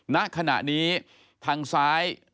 ณขณะนี้ทางซ้าย